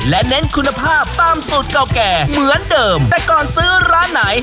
และเน้นคุณภาพตามสูตรเก่าแก่เหมือนเดิมแต่ก่อนซื้อร้านไหน